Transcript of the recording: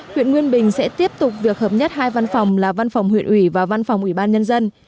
huyện nguyên bình sẽ tiếp tục việc hợp nhất hai văn phòng là văn phòng huyện ủy và văn phòng ủy ban nhân dân